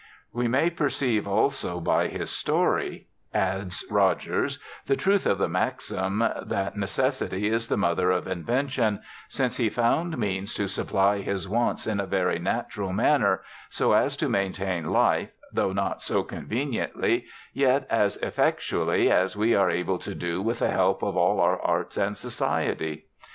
But soon curbs Inmstlf, We may perceive also by his story/' adds Rogers, the truth of the maxim * that neces sity is the mother of invention,' since he found means to supply his wants in a very natural manner, so as to maintain life, tho not so con veniently, yet as effectually as we are able to do with the help of all our arts and society.